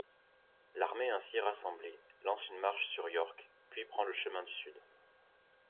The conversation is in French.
L'armée ainsi rassemblée lance une marche sur York puis prend le chemin du sud.